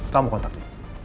kamu kontak dia